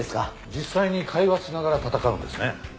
実際に会話しながら戦うんですね。